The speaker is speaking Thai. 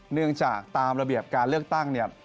เนื่องจากตามระเบียบการเลือกตั้งเนี่ย